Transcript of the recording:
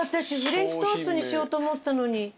私フレンチトーストにしようと思ってたのに。